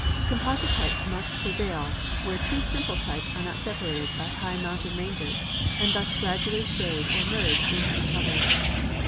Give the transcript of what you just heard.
Composite types must prevail AAdiere tAvo simjDle types are not separated by high mountain ranges, and thus gradually shade or merge into each other.